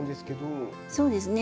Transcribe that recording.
そうですね